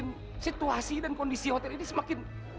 hanya bikin situasi dan kondisi hotel ini semakin